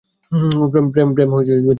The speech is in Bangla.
প্রেম চিরন্তন!